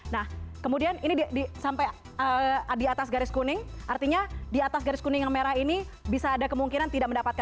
nah kemudian ini sampai di atas garis kuning artinya di atas garis kuning yang merah ini bisa ada kemungkinan tidak mendapatkan